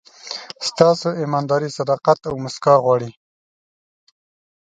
ستاسو ایمانداري، صداقت او موسکا غواړي.